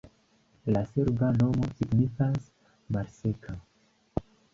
La serba nomo signifas: malseka.